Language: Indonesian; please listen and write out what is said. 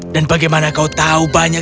dan bagaimana kau tahu banyak